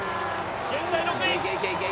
現在６位。